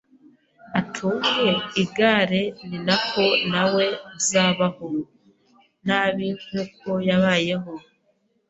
atunge igare ni nako nawe uzabaho nabi nkuko yabayeho,